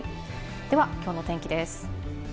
では、きょうの天気です。